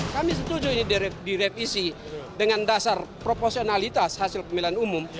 kami setuju ini direvisi dengan dasar proporsionalitas hasil pemilihan umum